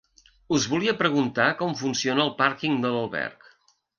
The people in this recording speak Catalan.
Us volia preguntar com funciona el pàrquing de l'alberg.